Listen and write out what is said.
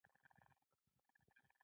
نيکه يودم چيغه کړه.